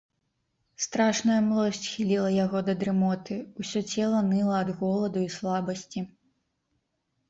Страшная млосць хіліла яго да дрымоты, усё цела ныла ад голаду і слабасці.